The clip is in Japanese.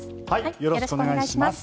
よろしくお願いします。